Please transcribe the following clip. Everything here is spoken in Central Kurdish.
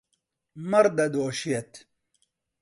مەڕ دەدۆشێت.